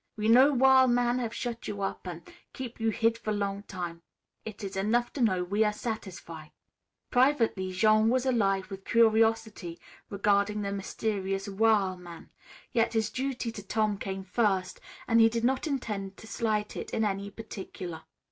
"We know wil' man have shut you up an' keep you hid for long time. It is enough to know. We are satisfy." Privately Jean was alive with curiosity regarding the mysterious "wil' man," yet his duty to Tom came first and he did not intend to slight it in any particular.